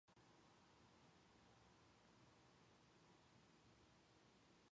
Stena Line also owns the Swedish vessels of the otherwise German- and Danish-owned Scandlines.